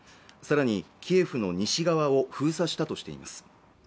さらにキエフの西側を封鎖したとしています